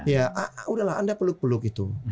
ya udahlah anda peluk peluk itu